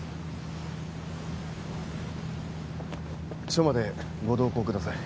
署までご同行ください。